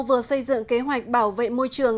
vừa xây dựng kế hoạch bảo vệ môi trường